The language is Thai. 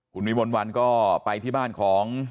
คุณวิมลวันก็ไปที่บ้านของ